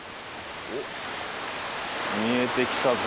おっ見えてきたぞ。